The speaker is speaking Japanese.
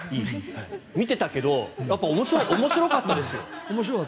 見てたけど、面白かったですよ。